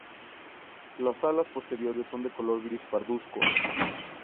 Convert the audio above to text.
Las alas posteriores son de color gris parduzco.